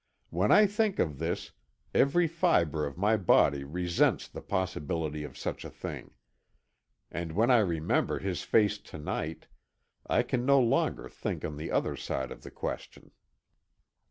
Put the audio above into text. When I think of this, every fibre of my body resents the possibility of such a thing. And when I remember his face to night, I can no longer think on the other side of the question.